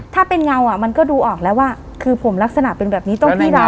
ถ้าเป็นเงาอ่ะมันก็ดูออกแล้วว่าคือผมลักษณะเป็นแบบนี้ต้องพี่เรา